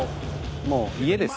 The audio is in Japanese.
もう家です。